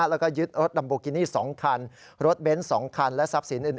แล้วก็ยึดรถดัมโบกินี่๒คันรถเบนท์๒คันและทรัพย์สินอื่น